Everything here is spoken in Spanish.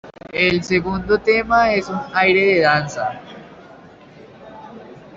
El segundo tema es un aire de danza.